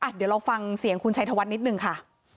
เดี๋ยวเราฟังเสียงคุณชัยธวัฒน์นิดนึงค่ะ